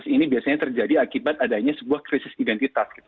ini biasanya terjadi akibat adanya sebuah krisis identitas